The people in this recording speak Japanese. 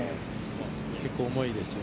結構、重いですよ。